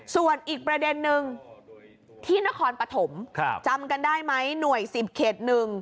ส่วนอีกประเด็นนึงที่นครปฐมจำกันได้ไหมหน่วย๑๐เขต๑